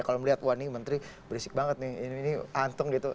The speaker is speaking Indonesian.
kalau melihat wah ini menteri berisik banget nih ini antung gitu